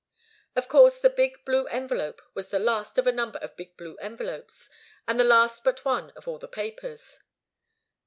Of course, the big blue envelope was the last of a number of big blue envelopes, and the last but one of all the papers.